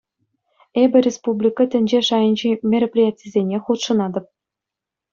Эпӗ республика, тӗнче шайӗнчи мероприятисене хутшӑнатӑп.